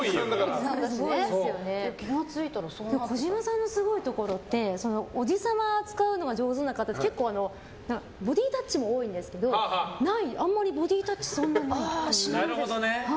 小島さんのすごいところっておじさま扱うのが上手な方って結構ボディータッチも多いんですけどあんまりボディータッチない。